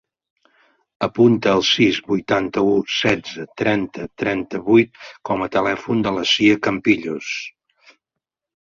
Apunta el sis, vuitanta-u, setze, trenta, trenta-vuit com a telèfon de la Sia Campillos.